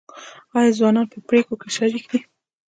آیا ځوانان په پریکړو کې شریک دي؟